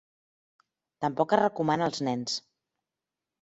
Tampoc es recomana als nens.